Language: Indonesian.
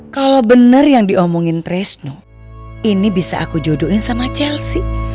kalau benar yang diomongin tresno ini bisa aku jodohin sama chelsea